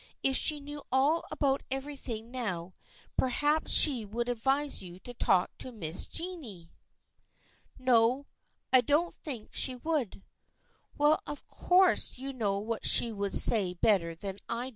If she knew all about everything now perhaps she would advise you to talk to Miss Jennie." " No, I don't think she would." " Well, of course you know what she would say better than I do."